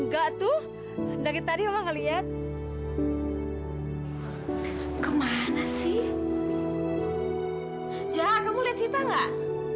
jah kamu lihat sita nggak